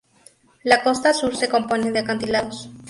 La costa sur se compone de acantilados.